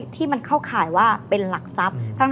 ที่มันเข้าข่ายว่าเป็นหลักทรัพย์